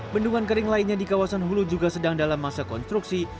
bendungan kering lainnya di kawasan hulu juga sedang dalam masa konstruksi